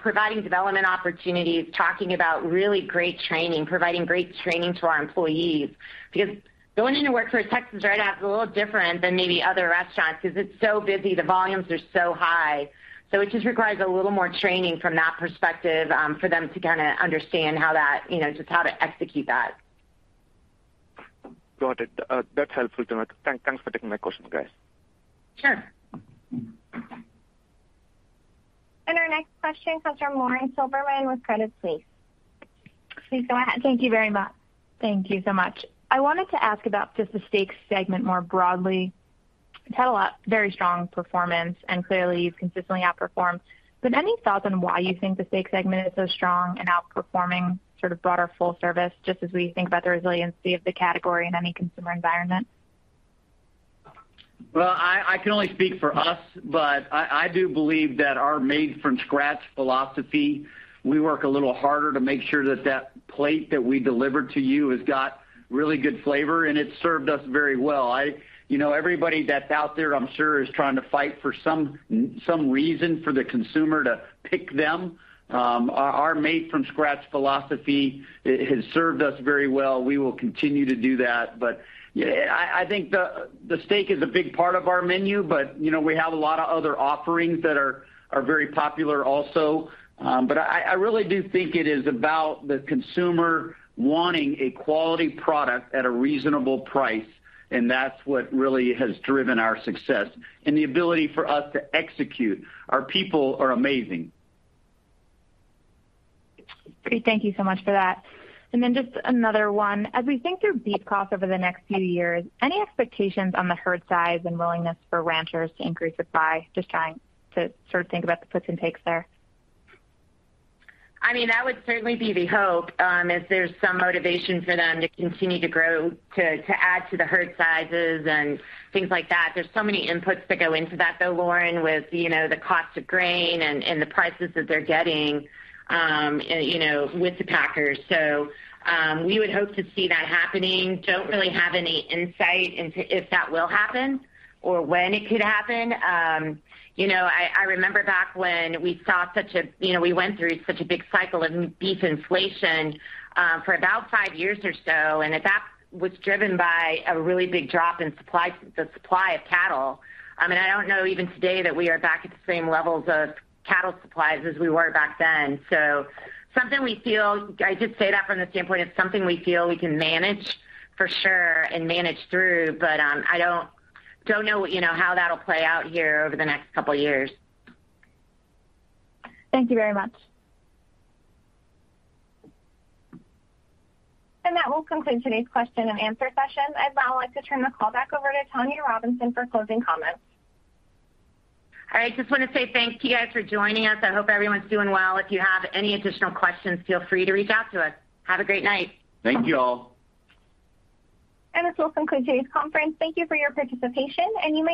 Providing development opportunities, talking about really great training, providing great training to our employees. Because going into work for a Texas Roadhouse is a little different than maybe other restaurants because it's so busy, the volumes are so high. It just requires a little more training from that perspective, for them to kinda understand how that, you know, just how to execute that. Got it. That's helpful to know. Thanks for taking my question, guys. Sure. Our next question comes from Lauren Silberman with Credit Suisse. Please go ahead. Thank you so much. I wanted to ask about just the steak segment more broadly. It's had a lot of very strong performance and clearly you've consistently outperformed. Any thoughts on why you think the steak segment is so strong and outperforming sort of broader full service, just as we think about the resiliency of the category in any consumer environment? I can only speak for us, but I do believe that our made from scratch philosophy, we work a little harder to make sure that plate that we deliver to you has got really good flavor, and it's served us very well. You know, everybody that's out there, I'm sure, is trying to fight for some reason for the consumer to pick them. Our made from scratch philosophy, it has served us very well. We will continue to do that. You know, I think the steak is a big part of our menu, but you know, we have a lot of other offerings that are very popular also. I really do think it is about the consumer wanting a quality product at a reasonable price, and that's what really has driven our success and the ability for us to execute. Our people are amazing. Great. Thank you so much for that. Just another one. As we think through beef costs over the next few years, any expectations on the herd size and willingness for ranchers to increase supply? Just trying tosort of think about the puts and takes there. I mean, that would certainly be the hope, if there's some motivation for them to continue to grow, to add to the herd sizes and things like that. There's so many inputs that go into that, though, Lauren, with, you know, the cost of grain and the prices that they're getting, you know, with the packers. We would hope to see that happening. Don't really have any insight into if that will happen or when it could happen. You know, I remember back when we went through such a big cycle of beef inflation, for about five years or so, and that was driven by a really big drop in supply, the supply of cattle. I mean, I don't know even today that we are back at the same levels of cattle supplies as we were back then. Something we feel. I just say that from the standpoint of something we feel we can manage for sure and manage through, but I don't know, you know, how that'll play out here over the next couple years. Thank you very much. That will conclude today's question and answer session. I'd now like to turn the call back over to Tonya Robinson for closing comments. All right. Just wanna say thank you guys for joining us. I hope everyone's doing well. If you have any additional questions, feel free to reach out to us. Have a great night. Thank you all. This will conclude today's conference. Thank you for your participation, and you may disconnect.